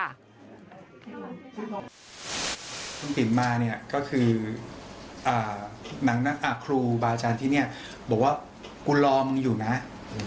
คุณปิ๋มมานี่ก็คือครูบาอาจารย์ที่นี่บอกว่าคุณรอมันอยู่ไหม